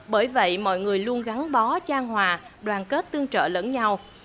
bởi vậy mọi người luôn gắn bó trang hòa đoàn kết tương trợ lẫn nhau